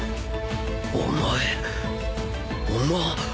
お前おま。